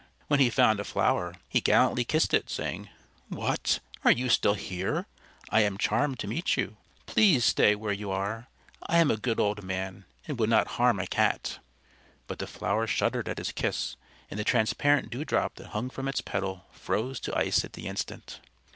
When he found a flower, he gallantly kissed it, saying, "What! are you here still? I am charmed to meet you. Please stay where you are. I am a good old man, and would not harm a cat." But the flower shuddered at his kiss, and the transparent dewdrop that hung from its petal froze to ice at the instant.